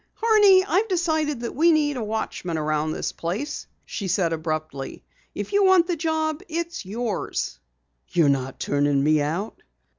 "Horney, I've decided that we need a watchman around this place," she said abruptly. "If you want the job, it's yours." "You're not turning me out?"